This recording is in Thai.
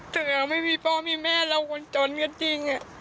ถึงเราไม่มีพ่อมีแม่เราคนจนก็จริง